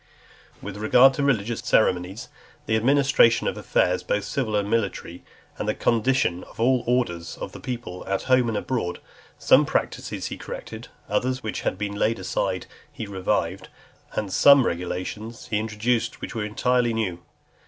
XXII. With regard to religious ceremonies, the administration of affairs both civil and military, and the condition of all orders of the people at home and abroad, some practices he corrected, others which had been laid aside he revived; and some regulations he introduced which were entirely new.